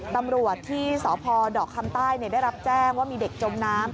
ตำรวจที่สพดอกคำใต้ได้รับแจ้งว่ามีเด็กจมน้ำ